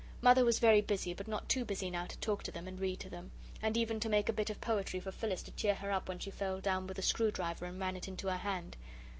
Mother was very busy, but not too busy now to talk to them, and read to them, and even to make a bit of poetry for Phyllis to cheer her up when she fell down with a screwdriver and ran it into her hand.